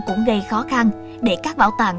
cũng gây khó khăn để các bảo tàng